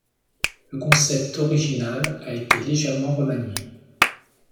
Le concept original a été légèrement remanié.